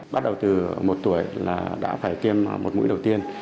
bắt đầu từ một tuổi là đã phải tiêm một mũi đầu tiên